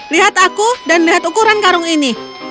lihat aku dan lihat ukuran karung ini